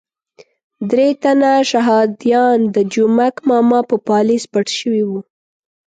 درې تنه شهادیان د جومک ماما په پالیز پټ شوي وو.